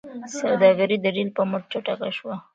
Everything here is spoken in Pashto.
سوداګري د ریل په مټ چټکه شوه.